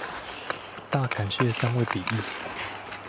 大感謝三位筆譯